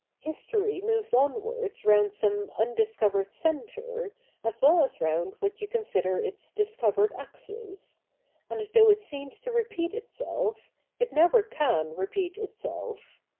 History moves onwards round some undiscovered centre, as well as round what you consider its discovered axis ; and though it seems to repeat itself, it never can repeat itself.